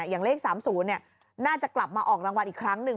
อย่างเลข๓๐น่าจะกลับมาออกรางวัลอีกครั้งหนึ่ง